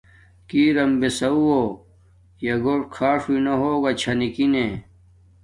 کݵ رَم بݺ سَوُّہ. یݳ کھݳݽ ہݸئنݳ ہݸگݳ چھݳ نِکِنݺ.